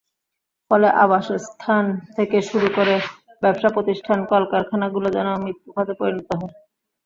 ফলে আবাসস্থল থেকে শুরু করে ব্যবসাপ্রতিষ্ঠান, কলকারখানাগুলো যেন মৃত্যুফাঁদে পরিণত হয়।